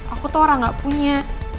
aku tuh orang gak punya